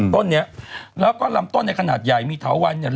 ต้นเนี้ยแล้วก็ลำต้นในขนาดใหญ่มีเถาวันเนี่ย